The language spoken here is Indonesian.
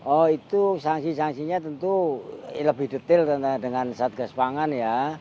oh itu sanksi sanksinya tentu lebih detail dengan satgas pangan ya